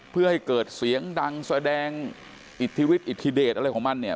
เพื่อให้เกิดเสียงดังแสดงอิทธิฤทธิอิทธิเดชอะไรของมันเนี่ย